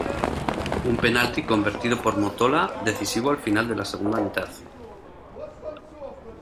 Un penalti convertido por Mottola decisivo al final de la segunda mitad.